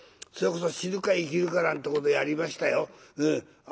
それこそ死ぬか生きるかなんてことやりましたよ。